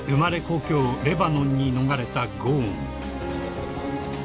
故郷レバノンに逃れたゴーン］